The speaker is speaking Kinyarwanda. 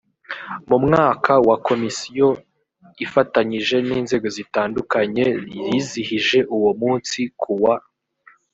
mu mwaka w komisiyo ifatanyije n inzego zitandukanye yizihije uwo munsi ku wa